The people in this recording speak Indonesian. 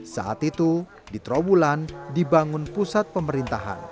saat itu di trawulan dibangun pusat pemerintahan